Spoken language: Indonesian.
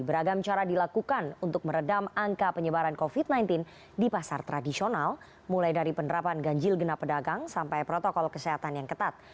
beragam cara dilakukan untuk meredam angka penyebaran covid sembilan belas di pasar tradisional mulai dari penerapan ganjil genap pedagang sampai protokol kesehatan yang ketat